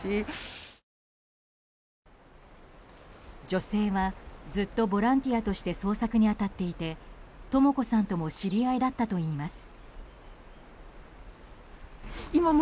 女性はずっとボランティアとして捜索に当たっていてとも子さんとも知り合いだったといいます。